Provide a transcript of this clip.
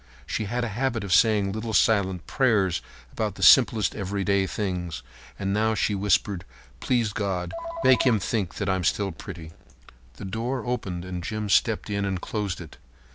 She had a habit of saying a little silent prayer about the simplest everyday things, and now she whispered: "Please God, make him think I am still pretty." The door opened and Jim stepped in and closed it.